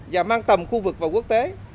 và mang tầm khu vực vào quốc tế